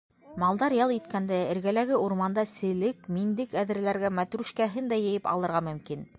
Малдар ял иткәндә, эргәләге урманда селек, миндек әҙерләргә, мәтрүшкәһен дә йыйып алырға мөмкин.